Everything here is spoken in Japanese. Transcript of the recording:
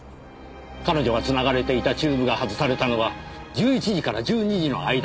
彼女が繋がれていたチューブが外されたのは１１時から１２時の間です。